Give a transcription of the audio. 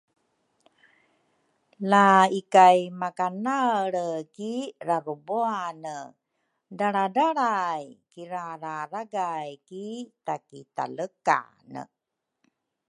La ikay makanaelre ki rarubwane dralradralray kirararagay ki takitalekane